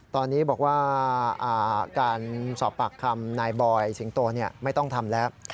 ตอนนี้บอกว่าการสอบปากคำนายบอยสิงโตไม่ต้องทำแล้ว